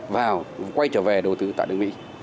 và quay trở về đầu tư tại nước mỹ